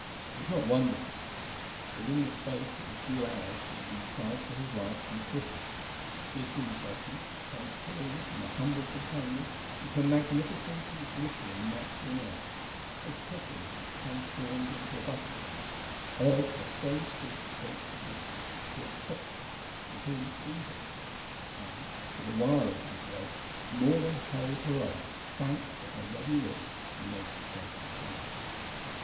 It was not wonderful. Within the space of a few hours he had been tried for his life and acquitted. He had seen Betty, transformed from a humble companion into a magnificent and glittering marchioness, as a chrysalis is transformed into a butterfly, urge her strange suit against the husband who had tricked her, and whom she had tricked, and, for the while at any rate, more than hold her own, thanks to her ready wit and native strength of character.